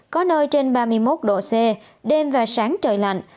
có nơi trên ba mươi một độ c đêm và sáng trời lạnh